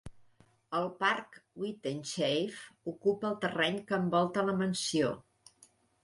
El parc Wythenshawe ocupa el terreny que envolta la mansió.